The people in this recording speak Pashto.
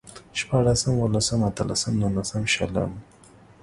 شپاړسم، اوولسم، اتلسم، نولسم، شلم